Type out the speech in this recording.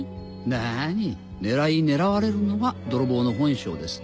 なに狙い狙われるのが泥棒の本性です。